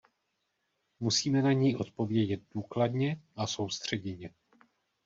Musíme na něj odpovědět důkladně a soustředěně.